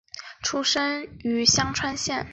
出身于香川县。